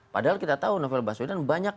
padahal kita tahu novel baswedan banyak